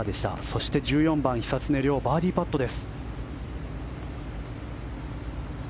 そして、１４番、久常涼バーディーパットです。